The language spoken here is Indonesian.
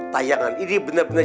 tayangan ini benar benar